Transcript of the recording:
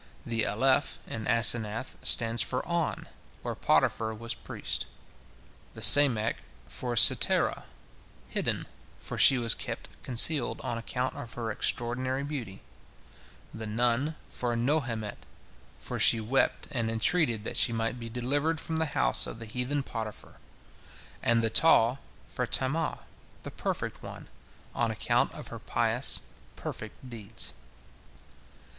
The Alef in Asenath stands for On, where Potiphar was priest; the Samek for Setirah, Hidden, for she was kept concealed on account of her extraordinary beauty; the Nun for Nohemet, for she wept and entreated that she might be delivered from the house of the heathen Potiphar; and the Taw for Tammah, the perfect one, on account of her pious, perfect deeds.